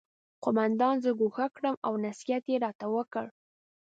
قومندان زه ګوښه کړم او نصیحت یې راته وکړ